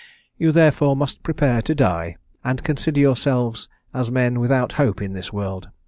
You therefore must prepare to die, and consider yourselves as men without hope in this world.